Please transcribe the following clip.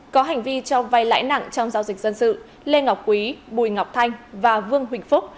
có hành vi cho vay lãi nặng trong giao dịch dân sự lê ngọc quý bùi ngọc thanh và vương huỳnh phúc